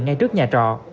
ngay trước nhà trọ